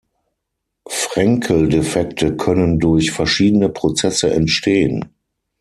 Frenkel-Defekte können durch verschiedene Prozesse entstehen.